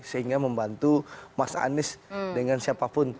sehingga membantu mas anies dengan siapapun